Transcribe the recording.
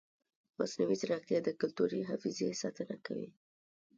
مصنوعي ځیرکتیا د کلتوري حافظې ساتنه کوي.